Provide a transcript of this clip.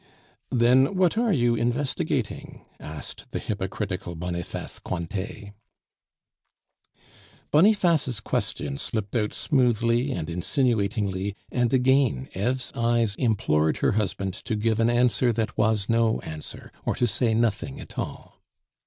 "Then what are you investigating?" asked the hypocritical Boniface Cointet. Boniface's question slipped out smoothly and insinuatingly, and again Eve's eyes implored her husband to give an answer that was no answer, or to say nothing at all.